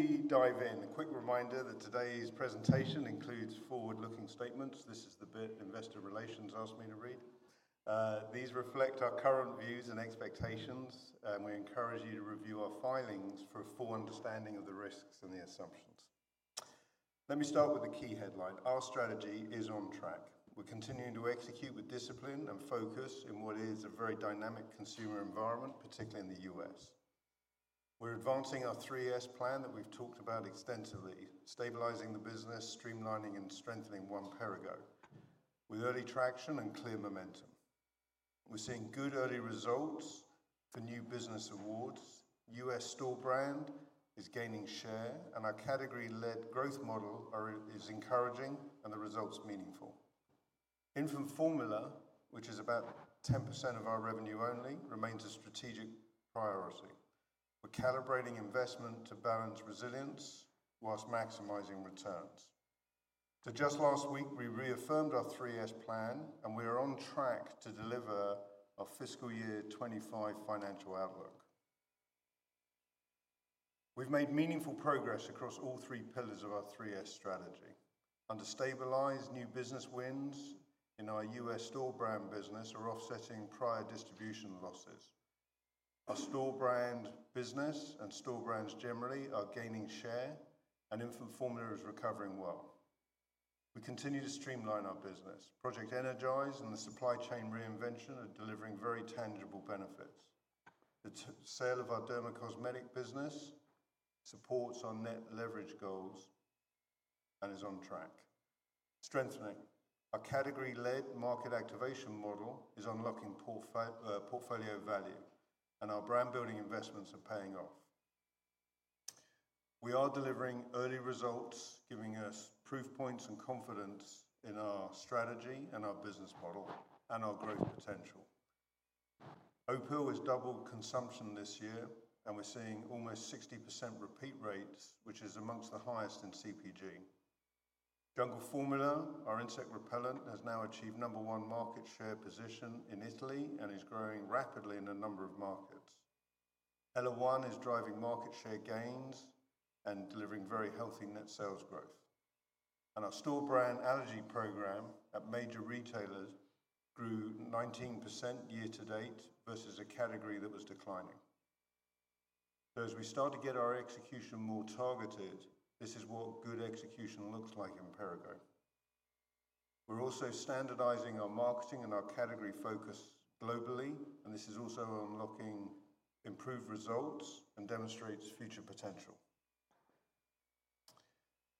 Before we dive in, a quick reminder that today's presentation includes forward-looking statements. This is the bit Investor Relations asked me to read. These reflect our current views and expectations, and we encourage you to review our filings for a full understanding of the risks and the assumptions. Let me start with the key headline. Our strategy is on track. We're continuing to execute with discipline and focus in what is a very dynamic consumer environment, particularly in the U.S. We're advancing our 3S plan that we've talked about extensively, stabilizing the business, streamlining and strengthening one Perrigo with early traction and clear momentum. We're seeing good early results for new business awards. U.S. store brand is gaining share, and our category-led growth model is encouraging and the results meaningful. Infant formula, which is about 10% of our revenue, only remains a strategic priority. We're calibrating investment to balance resilience whilst maximizing returns. Just last week, we reaffirmed our 3S plan, and we are on track to deliver our fiscal year 2025 financial outlook. We've made meaningful progress across all three pillars of our 3S strategy. Under stabilize, new business wins in our U.S. store brand business are offsetting prior distribution losses. Our store brand business and store brands generally are gaining share, and infant formula is recovering well. We continue to streamline our business. Project Energize and the supply chain reinvention are delivering very tangible benefits. The sale of our derma cosmetic business supports our net leverage goals and is on track. Strengthening our category-led market activation model is unlocking portfolio value, and our brand building investments are paying off. We are delivering early results, giving us proof points and confidence in our strategy and our business model and our growth potential. Opill is double consumption this year, and we're seeing almost 60% repeat rates, which is amongst the highest in CPG. Jungle Formula, our insect repellent, has now achieved number one market share position in Italy and is growing rapidly in a number of markets. Hello One is driving market share gains and delivering very healthy net sales growth, and our store brand allergy program at major retailers grew 19% year-to-date versus a category that was declining. As we start to get our execution more targeted, this is what good execution looks like in Perrigo. We're also standardizing our marketing and our category focus globally, and this is also unlocking improved results and demonstrates future potential.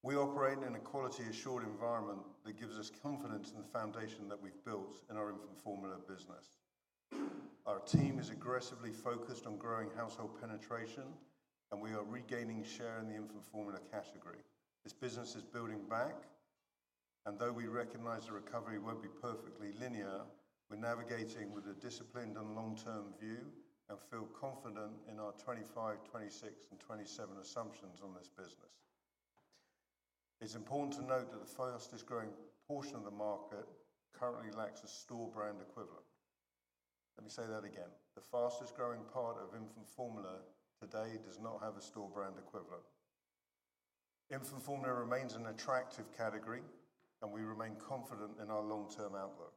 We operate in a quality-assured environment that gives us confidence in the foundation that we've built in our infant formula business. Our team is aggressively focused on growing household penetration, and we are regaining share in the infant formula category. This business is building back, and though we recognize the recovery won't be perfectly linear, we're navigating with a disciplined and long-term view and feel confident in our 2025, 2026, and 2027 assumptions on this business. It's important to note that the fastest growing portion of the market currently lacks a store brand equivalent. Let me say that again, the fastest growing part of infant formula today does not have a store brand equivalent. Infant formula remains an attractive category, and we remain confident in our long-term outlook.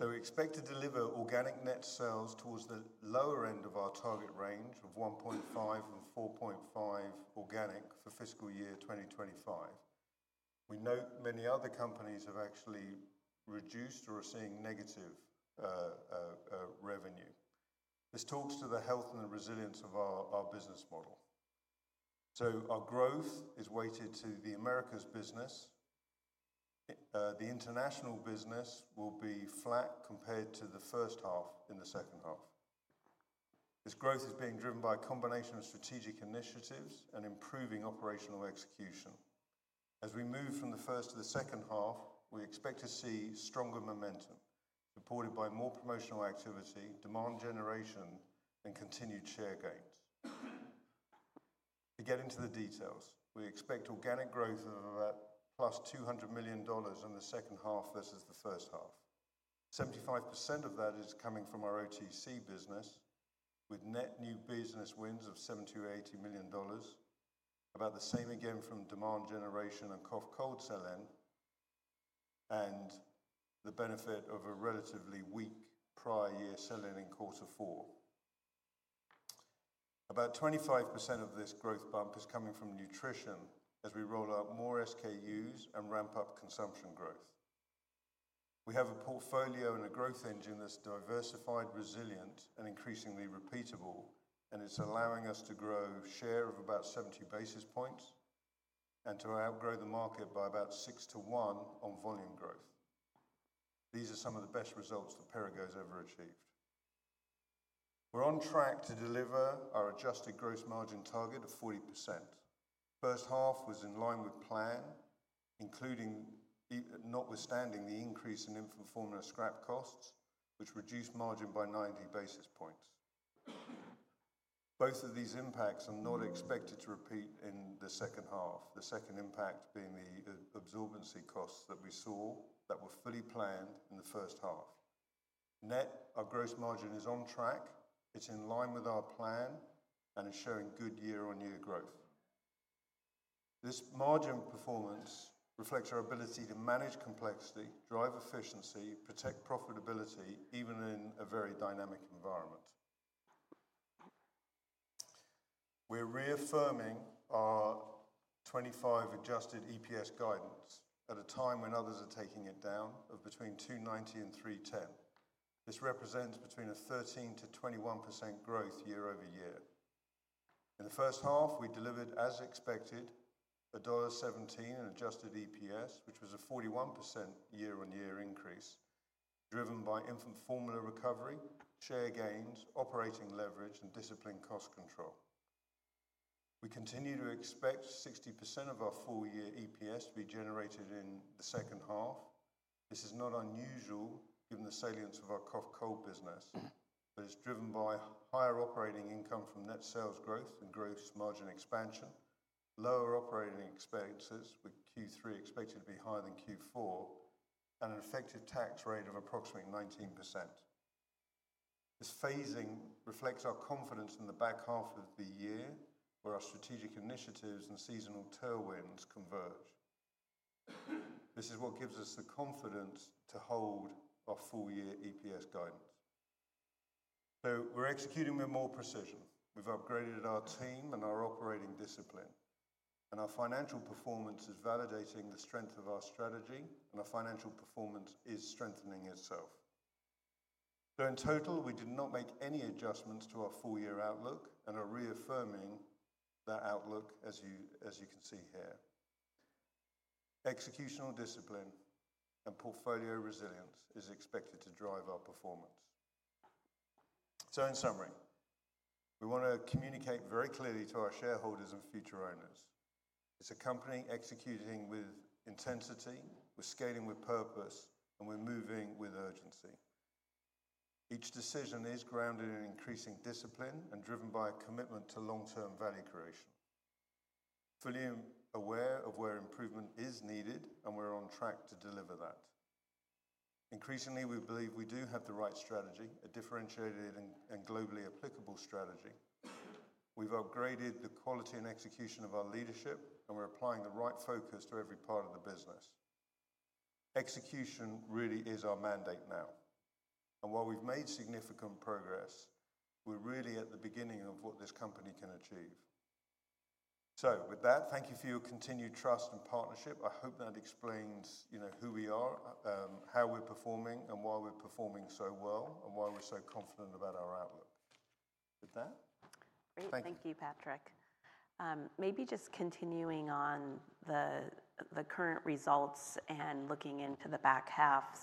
We expect to deliver organic net sales towards the lower end of our target range of 1.5% and 4.5% organic for fiscal year 2025. We note many other companies have actually reduced or are seeing negative revenue. This talks to the health and the resilience of our business model. Our growth is weighted to the Americas business. The international business will be flat compared to the first half in the second half. This growth is being driven by a combination of strategic initiatives and improving operational execution. As we move from the first to the second half, we expect to see stronger momentum supported by more promotional activity, demand generation, and continued share gains. To get into the details, we expect organic growth of about $200 million in the second half versus the first half. 75% of that is coming from our OTC business with net new business wins of $70 million or $80 million, about the same again from demand generation and cough cold sell-in, and the benefit of a relatively weak prior year sell-in in quarter four. About 25% of this growth bump is coming from nutrition as we roll out more SKUs and ramp up consumption growth. We have a portfolio and a growth engine that's diversified, resilient, and increasingly repeatable, and it's allowing us to grow share of about 70 basis points and to outgrow the market by about 6:1 on volume growth. These are some of the best results that Perrigo has ever achieved. We're on track to deliver our adjusted gross margin target of 40%. First half was in line with plan, including notwithstanding the increase in infant formula scrap costs, which reduced margin by 90 basis points. Both of these impacts are not expected to repeat in the second half, the second impact being the absorbency costs that we saw that were fully planned in the first half. Net, our gross margin is on track. It's in line with our plan and is showing good year-on-year growth. This margin performance reflects our ability to manage complexity, drive efficiency, and protect profitability even in a very dynamic environment. We're reaffirming our 2025 adjusted EPS guidance at a time when others are taking it down, of between $2.90 and $3.10. This represents between a 13%-21% growth year-over-year. In the first half, we delivered, as expected, $1.17 adjusted EPS, which was a 41% year-on-year increase driven by infant formula recovery, share gains, operating leverage, and disciplined cost control. We continue to expect 60% of our full-year EPS to be generated in the second half. This is not unusual given the salience of our cough cold business, but it's driven by higher operating income from net sales growth and gross margin expansion, lower operating expenses with Q3 expecting to be higher than Q4, and an effective tax rate of approximately 19%. This phasing reflects our confidence in the back half of the year where our strategic initiatives and seasonal tailwinds converge. This is what gives us the confidence to hold our full-year EPS guidance, so we're executing with more precision. We've upgraded our team and our operating discipline, and our financial performance is validating the strength of our strategy, and our financial performance is strengthening itself. In total, we did not make any adjustments to our full-year outlook and are reaffirming that outlook. As you can see here, executional discipline and portfolio resilience is expected to drive our performance. In summary, we want to communicate very clearly to our shareholders and future owners. It's a company executing with intensity, we're scaling with purpose, and we're moving with urgency. Each decision is grounded in increasing discipline and driven by a commitment to long-term value creation, fully aware of where improvement is needed, and we're on track to deliver that. Increasingly, we believe we do have the right strategy, a differentiated and globally applicable strategy. We've upgraded the quality and execution of our leadership, and we're applying the right focus to every part of the business. Execution really is our mandate now, and while we've made significant progress, we're really at the beginning of what this company can achieve. Thank you for your continued trust and partnership. I hope that explains who we are, how we're performing, why we're performing so well, and why we're so confident about our outlook. Great. Thank you, Patrick. Maybe just continuing on the current results and looking into the back half.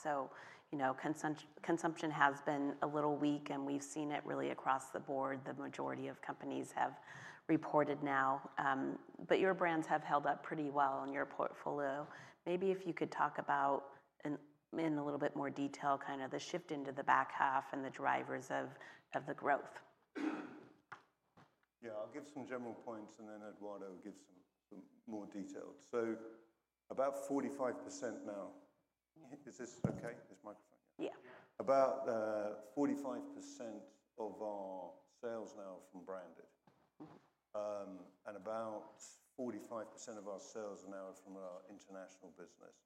Consumption has been a little weak, and we've seen it really across the board. The majority of companies have reported now, but your brands have held up pretty well in your portfolio. Maybe if you could talk about in a little bit more detail the shift into the back half and the drivers of the growth. Yeah, I'll give some general points, and then Eduardo will give some more details. About 45% now is this, okay, this microphone? Yeah. About 45% of our sales now from branded and about 45% of our sales are now from our international business.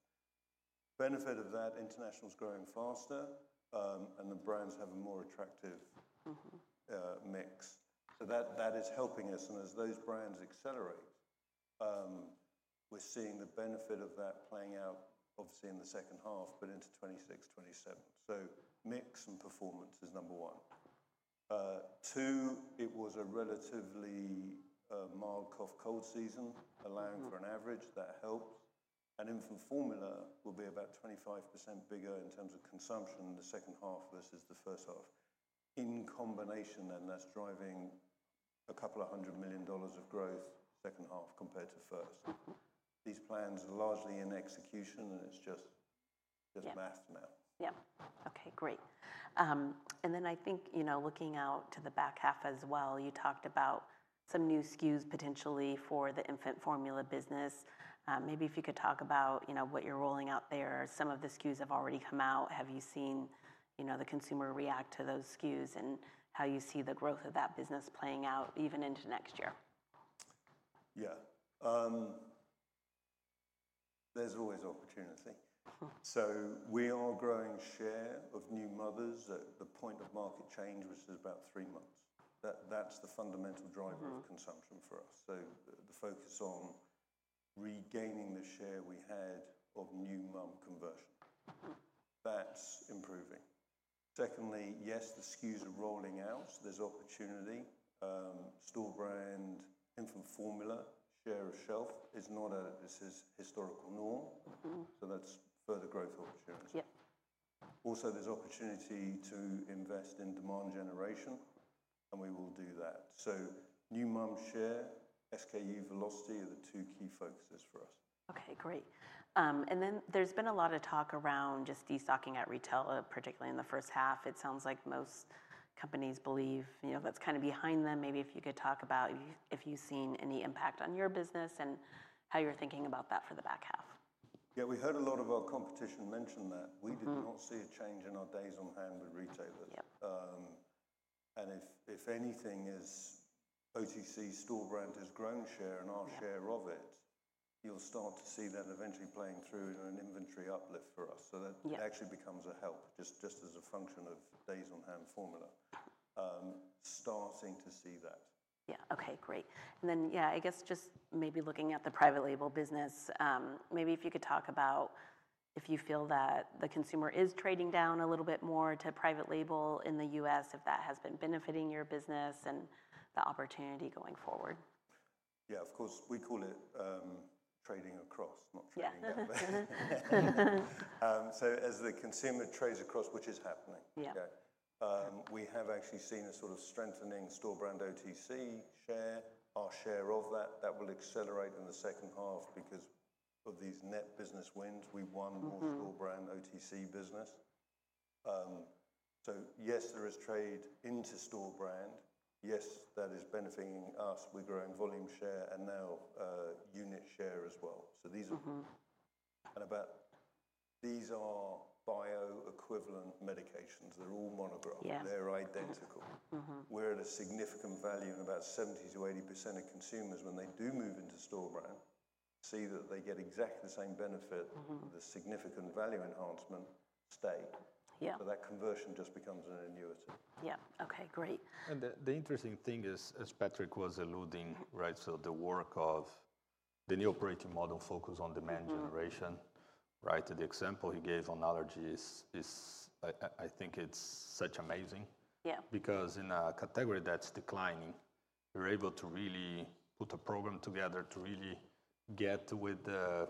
The benefit of that international is growing faster and the brands have a more attractive mix. That is helping us. As those brands accelerate, we're seeing the benefit of that playing out obviously in the second half, but into 2026, 2027. Mix and performance is number one. Two, it was a relatively mild cough cold season, allowing for an average that helps. Infant formula will be about 25% bigger in terms of consumption the second half versus the first half. In combination, then that's driving a couple of hundred million dollars of growth second half compared to first. These plans largely in execution and it's just math now. Okay, great. I think, looking out to the back half as well, you talked about some new SKUs potentially for the infant formula business. Maybe if you could talk about what you're rolling out. Some of the SKUs have already come out. Have you seen the consumer react to those SKUs and how you see the growth of that business playing out even into next year? Yeah, there's always opportunity. We are growing share of new mothers at the point of market change, which is about three months. That's the fundamental driver of consumption for us. The focus on regaining the share we had of new mom conversion is improving. Yes, the SKUs are rolling out. There's opportunity. Store brand infant formula share of shelf is not at the historical norm. That's further growth opportunity. There's opportunity to invest in demand generation and we will do that. New mom share and SKU velocity are the two key focuses for us. Okay, great. There's been a lot of talk around just destocking at retail, particularly in the first half. It sounds like most companies believe that's kind of behind them. Maybe if you could talk about if you've seen any impact on your business and how you're thinking about that for the back half. Yeah, we heard a lot of our competition mentioned that we did not see a change in our days on hand with retailers, and if anything, OTC store brand has grown share and our share of it. You'll start to see that eventually playing through in an inventory uplift for us. That actually becomes a help just as a function of days on hand formula, starting to see that. Okay, great. I guess just maybe looking at the private label business, maybe if you could talk about if you feel that the consumer is trading down a little bit more to private label in the U.S., if that has been benefiting your business and the opportunity going forward. Yeah, of course we call it trading across, not trading down. As the consumer trades across, which is happening, we have actually seen a sort of strengthening store brand OTC share. Our share of that will accelerate in the second half because of these net business wins. We won all store brand OTC business. Yes, there is trade into store brand. Yes, that is benefiting us. We're growing volume share and now unit share as well. These are bioequivalent medications. They're all monograph. They're identical. We're at a significant value and about 70%-80% of consumers, when they do move into store brand, see that they get exactly the same benefit, the significant value enhancement state. That conversion just becomes an annuity. Yeah, okay, great. The interesting thing is, as Patrick was alluding. Right. The work of the new operating model focus on demand generation. Right. The example he gave on allergies, I think it's such amazing because in a category that's declining, you're able to really put a program together to really get with the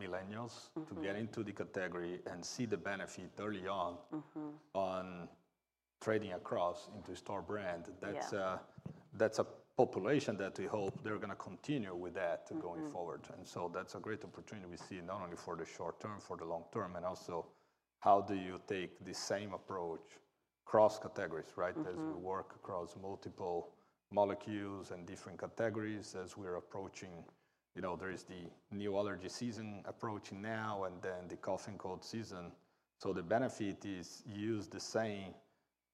millennials to get into the category and see the benefit early on on trading across into store brand. That's a population that we hope they're going to continue with that going forward. That’s a great opportunity we see not only for the short term, for the long-term. Also, how do you take the same approach, cross categories. Right. As we work across multiple molecules and different categories, as we're approaching, you know, there is the new allergy season approach now and then the cough cold season. The benefit is use the same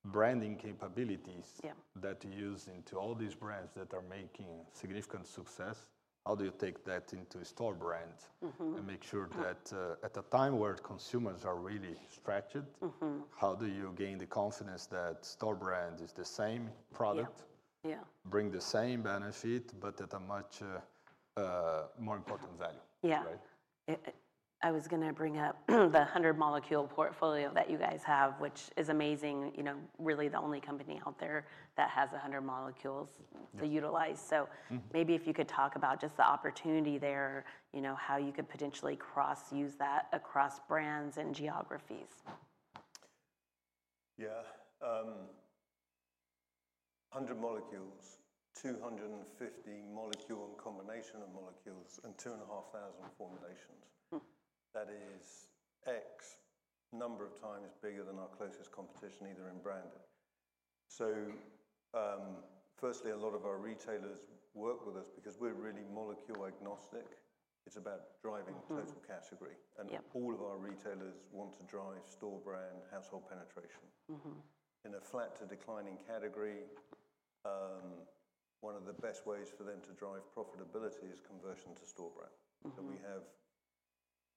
branding capabilities that use into all these brands that are making significant success. How do you take that into store brand and make sure that at a time where consumers are really stretched, how do you gain the confidence that store brand is the same? Same product. Yeah. Bring the same benefit, but at a much more important value. Yeah, right. I was going to bring up the 100 molecule portfolio that you guys have, which is amazing. You know, really the only company out there that has 100 molecules to utilize. Maybe if you could talk about just the opportunity there, you know, how you could potentially cross use that across brands and geographies. Yeah, 100 molecules, 250 molecule and combination of molecules and 2,500 formulations. That is X number of times bigger than our closest competition either in branded. Firstly, a lot of our retailers work with us because we're really molecule agnostic. It's about driving total category. All of our retailers want to drive store brand household penetration in a flat to declining category. One of the best ways for them to drive profitability is conversion to store brand. We have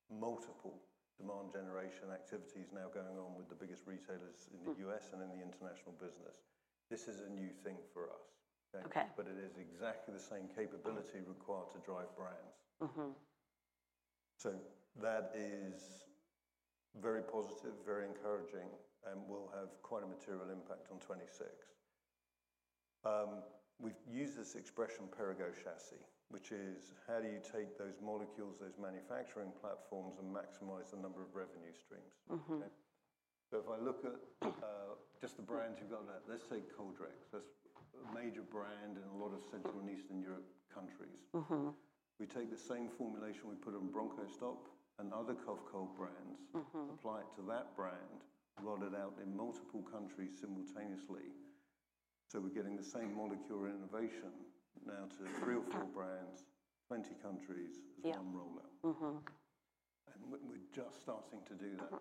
multiple demand generation activities now going on with the biggest retailers in the U.S. and in the international business. This is a new thing for us, but it is exactly the same capability required to drive brands. That is very positive, very encouraging, and will have quite a material impact on 2026. We've used this expression Perrigo chassis, which is how do you take those molecules, those manufacturing platforms, and maximize the number of revenue streams. If I look at just the brands you've got, let's say Coldrex, that's a major brand in a lot of Central and Eastern Europe countries. We take the same formulation, we put on Bronco Stop and other cough cold brands, apply it to that brand, roll it out in multiple countries simultaneously. We're getting the same molecule innovation now to three or four brands, 20 countries, one rollout, and we're just starting to do that.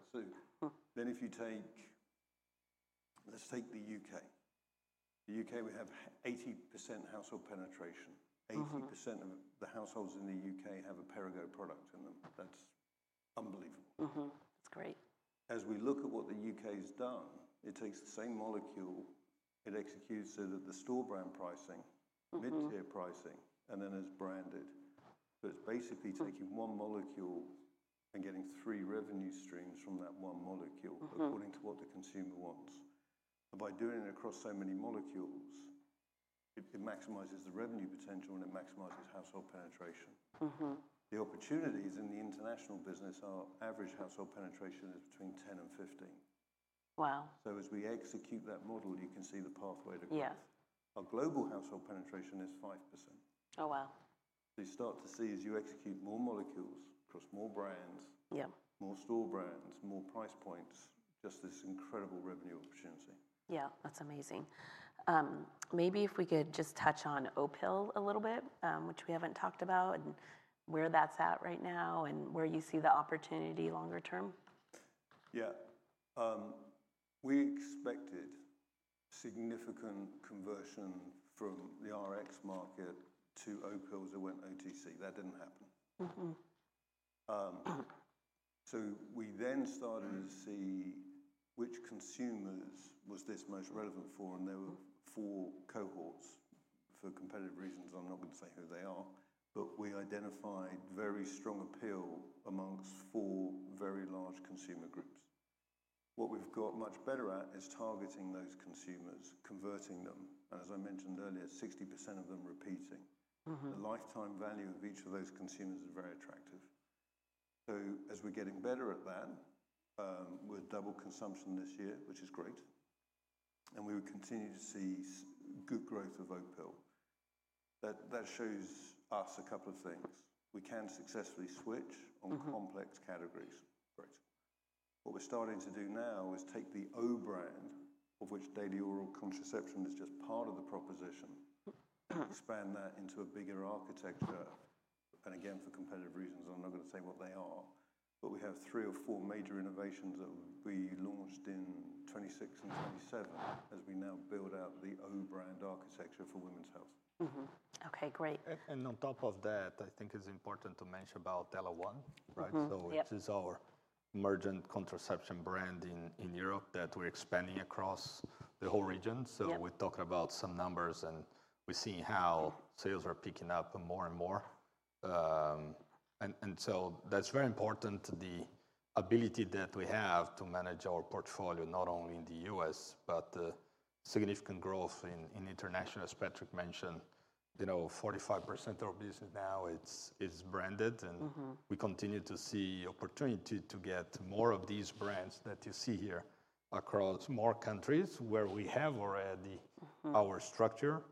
If you take the UK, the UK, we have 80% household penetration. 80% of the households in the U.K. have a Perrigo product in them. That's unbelievable. That's great. As we look at what the U.K. has done, it takes the same molecule, it executes so that the store brand pricing, mid tier pricing, and then as branded. It's basically taking one molecule and getting three revenue streams from that one molecule according to what the consumer wants. By doing it across so many molecules, it maximizes the revenue potential and it maximizes household penetration, the opportunities in the international business. Our average household penetration is between 10% and 15%. Wow. As we execute that model, you can see the pathway to growth. Our global household penetration is 5%. Oh, wow. You start to see as you execute more molecules across more brands, more store brands, more price points, just this incredible revenue opportunity. Yeah, that's amazing. Maybe if we could just touch on Opill a little bit, which we haven't talked about, and where that's at right now and where you see the opportunity longer term. Yeah. We expected significant conversion from the RX market to Opill that went OTC. That didn't happen. We then started to see which consumers was this most relevant for. There were four cohorts. For competitive reasons, I'm not going to say who they are, but we identified very strong appeal amongst four very large consumer groups. What we've got much better at is targeting those consumers, converting them. As I mentioned earlier, 60% of them repeating, the lifetime value of each of those consumers is very attractive. As we're getting better at that, we're double consumption this year, which is great. We would continue to see good growth of Opill. That shows us a couple of things. We can successfully switch on complex categories. What we're starting to do now is take the O brand, of which daily oral contraception is just part of the proposition, and expand that into a bigger architecture. For competitive reasons, I'm not going to say what they are, but we have three or four major innovations that will be launched in 2026 and 2027 as we now build out the O brand architecture for women's health. Okay, great. I think it's important to mention about Delaware 1. Right. Mergent contraception brand in Europe is one that we're expanding across the whole region. We talk about some numbers and we see how sales are picking up more and more. That's very important, the ability that we have to manage our portfolio, not only in the U.S. but the significant growth in international. As Patrick mentioned, 45% of business now is branded. We continue to see opportunity to get more of these brands that you see here across more countries where we have already our structure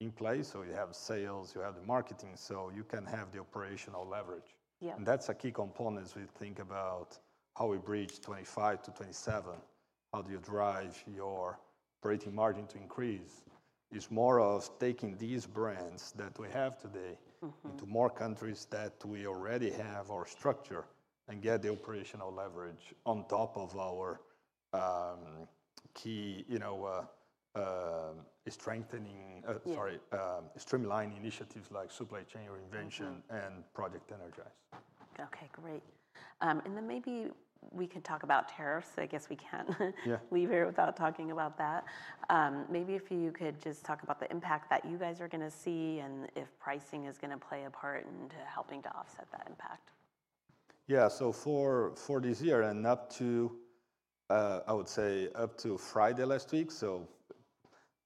in place. You have sales, you have the marketing, so you can have the operational leverage. That's a key component. As we think about how we bridge 2025-2027, how do you drive your operating margin to increase? It's more of taking these brands that we have today into more countries that we already have our structure and get the operational leverage on top of our key streamline initiatives like supply chain reinvention and Project Energize. Okay, great. Maybe we could talk about tariffs. I guess we can't leave here without talking about that. Maybe if you could just talk about the impact that you guys are going to see and if pricing is going to play a part in helping to offset that impact. Yeah. For this year and up to Friday last week,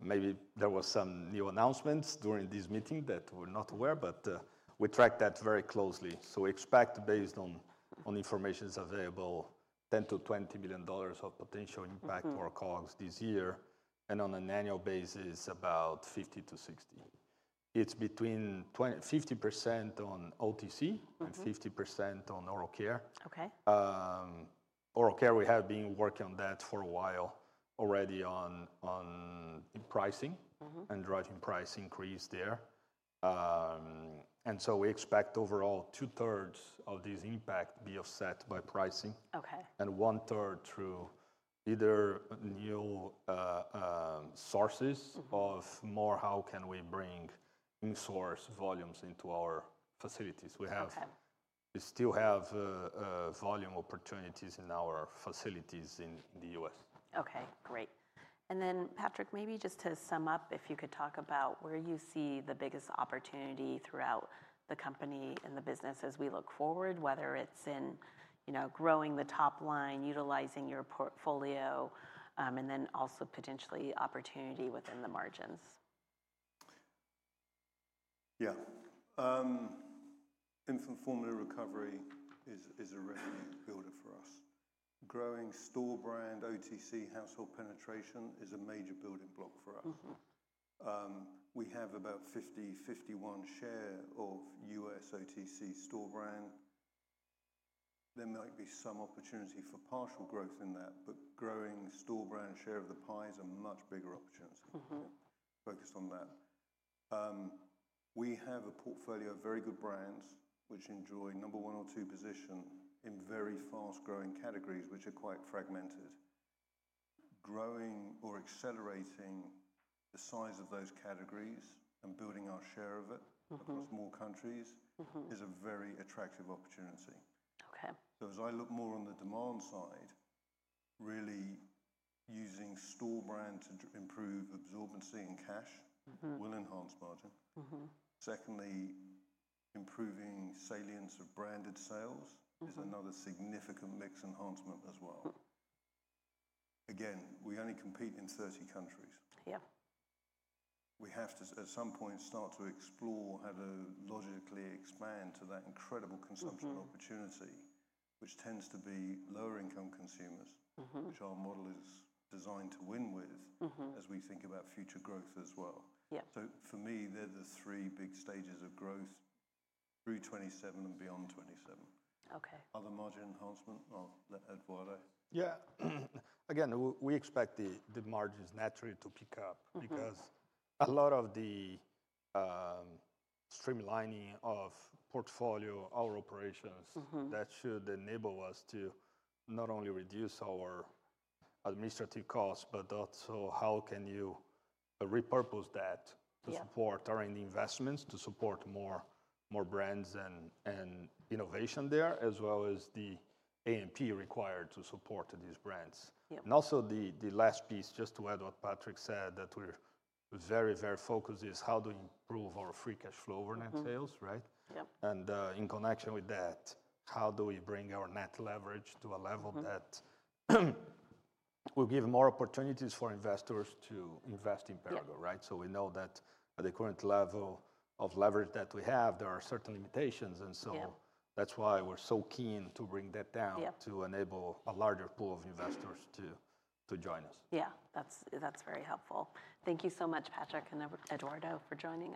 maybe there was some new announcements during this meeting that we're not aware, but we track that very closely. We expect, based on information available, $10 billion-$20 billion of potential impact to our COGS this year and on an annual basis about $50 billion-$60 billion. It's between 50% on OTC and 50% on oral care. Okay. Oral care, we have been working on that for a while already on pricing and driving price increase there. We expect overall two thirds of this impact to be offset by pricing and one third through either new sources of more. How can we bring in source volumes into our facilities? We still have volume opportunities in our facilities in the U.S. Okay, great. Patrick, maybe just to sum up, if you could talk about where you see the biggest opportunity throughout the company in the business as we look forward, whether it's in growing the top line, utilizing your portfolio, and then also potentially opportunity within the margins. Yeah. Infant formula recovery is a refining builder for us. Growing store brand OTC household penetration is a major building block for us. We have about 50%, 51% share of U.S. OTC store brand. There might be some opportunity for partial growth in that, but growing store brand share of the pie is a much bigger opportunity focused on that. We have a portfolio of very good brands which enjoy number one or two position in very fast growing categories which are quite fragmented. Growing or accelerating the size of those categories and building our share of it across more countries is a very attractive opportunity. As I look more on the demand side, really using store brand to improve absorbency and cash will enhance margin. Secondly, improving salience of branded sales is another significant mix enhancement as well. Again, we only compete in 30 countries. Yeah. We have to at some point start to explore how to logically expand to that incredible consumption opportunity, which tends to be lower income consumers, which our model is designed to win with as we think about future growth as well. For me, they're the three big stages of growth through 2027 and beyond, 2027. Okay. Other margin enhancement, I'll let Eduardo Yeah. Again, we expect the margins naturally to pick up because a lot of the streamlining of portfolio, our operations, that should enable us to not only reduce our administrative costs, but also how can you repurpose that to support our end investments to support more brands and innovation there, as well as the amp required to support these brands. Also, the last piece, just to add what Patrick said, that we're very, very focused is how do we improve our free cash flow over net sales? Right. In connection with that, how do we bring our net leverage to a level that will give more opportunities for investors to invest in Perrigo? Right. We know that at the current level of leverage that we have, there are certain limitations. That's why we're so keen to bring that down, to enable a larger pool of investors to join us. Yeah, that's very helpful. Thank you so much, Patrick and Eduardo, for joining us.